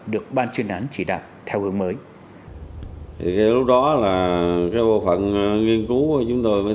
được ban chuyên án chỉ đạt theo hướng mới